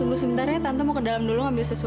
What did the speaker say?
tunggu sebentar ya tante mau ke dalam dulu ambil sesuatu